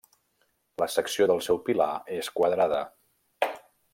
La secció del seu pilar és quadrada.